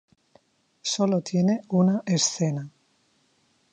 Sólo tiene una escena.